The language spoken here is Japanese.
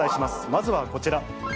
まずはこちら。